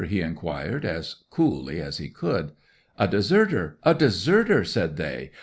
he inquired, as coolly as he could. '"A deserter—a deserter!" said they.